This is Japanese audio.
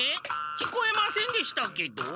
聞こえませんでしたけど？